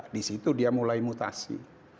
di situ dia mulai mutasi